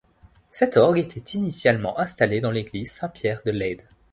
Cet orgue était initialement installé dans l'Église Saint-Pierre de Leyde.